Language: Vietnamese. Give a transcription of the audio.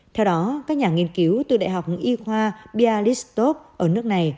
theo đó các nhà nghiên cứu từ đại học y khoa bialistop ở nước này